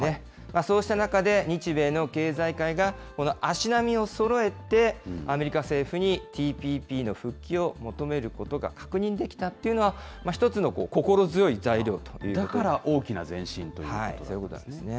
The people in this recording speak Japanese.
そうした中で、日米の経済界が足並みをそろえてアメリカ政府にＴＰＰの復帰を求めることが確認できたというのは、一つの心強い材だから大きな前進ということそういうことなんですね。